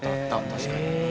確かに。